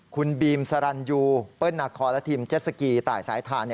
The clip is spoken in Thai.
คุณบีมสรรยูเปิ้ลนาคอและทีมเจ็ดสกีตายสายทาน